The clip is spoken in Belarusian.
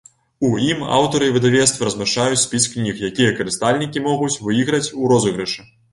У ім аўтары і выдавецтвы размяшчаюць спіс кніг, якія карыстальнікі могуць выйграць у розыгрышы.